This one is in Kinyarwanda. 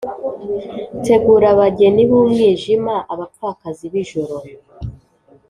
tegura abageni b'umwijima, abapfakazi b'ijoro